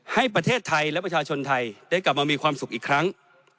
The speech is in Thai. ให้ประเทศไทยและประชาชนไทยได้กลับมามีความสุขอีกครั้ง